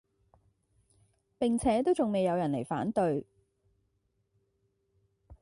並且也還沒有人來反對，